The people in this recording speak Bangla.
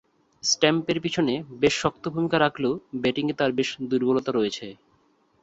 স্ট্যাম্পের পিছনে বেশ শক্ত ভূমিকা রাখলেও ব্যাটিংয়ে তার বেশ দূর্বলতা রয়েছে।